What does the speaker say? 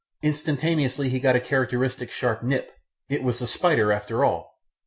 Instantaneously he got a characteristic sharp nip; it was the spider after all!